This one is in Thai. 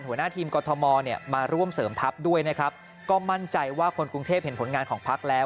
หัวหน้าทีมกรทมเนี่ยมาร่วมเสริมทัพด้วยนะครับก็มั่นใจว่าคนกรุงเทพเห็นผลงานของพักแล้ว